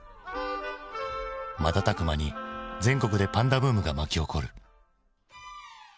瞬く間に全国でパンダブームが巻き起こる。